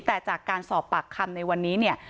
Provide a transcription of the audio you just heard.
แต่จากการสอบปากคำในวันนี้เนี่ย